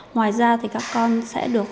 ngoài ra thì các con sẽ được